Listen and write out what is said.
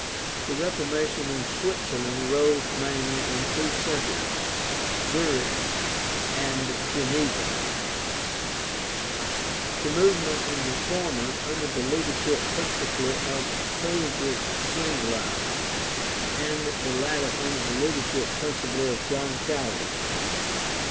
The Reformation in Switzerland arose mainly in two centers, Zurich and Geneva — the movement in the former under the leadership principally of Huldreich Zwingli and in the latter under the leadership principally of John Calvin.